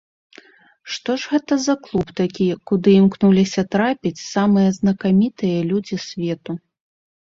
Што ж гэта за клуб такі, куды імкнуліся трапіць самыя знакамітыя людзі свету?